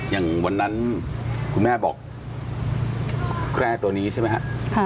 อย่างวันนั้นคุณแม่บอกแคร่ตัวนี้ใช่ไหมครับ